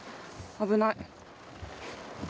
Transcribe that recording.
危ない。